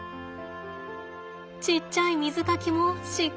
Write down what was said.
ちっちゃい水かきもしっかりある。